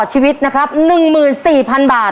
หนึ่งล้าน